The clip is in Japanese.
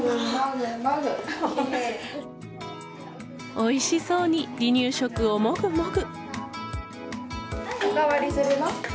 おいしそうに離乳食をモグモグ。